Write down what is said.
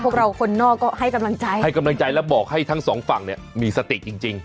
พวกเราคนนอกก็ให้กำลังใจให้กำลังใจแล้วบอกให้ทั้งสองฝั่งเนี่ยมีสติจริงจริง